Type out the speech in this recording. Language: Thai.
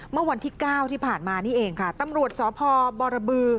เมื่อวันที่เก้าที่ผ่านมานี่เองค่ะตำรวจสพบรบือ